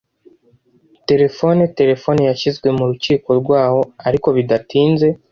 telefone. terefone yashyizwe mu rukiko rwaho, ariko bidatinze